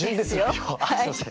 すいません。